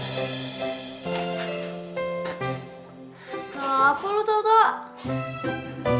kenapa lu tau tau